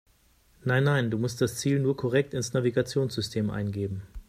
Nein, nein, du musst das Ziel nur korrekt ins Navigationssystem eingeben.